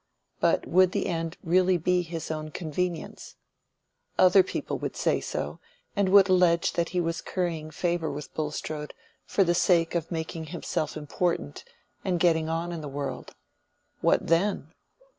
But would the end really be his own convenience? Other people would say so, and would allege that he was currying favor with Bulstrode for the sake of making himself important and getting on in the world. What then?